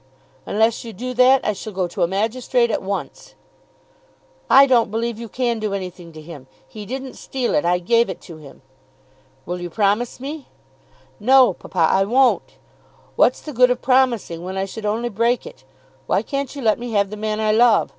"Unless you do that I shall go to a magistrate at once." "I don't believe you can do anything to him. He didn't steal it. I gave it to him." "Will you promise me?" "No, papa, I won't. What's the good of promising when I should only break it. Why can't you let me have the man I love?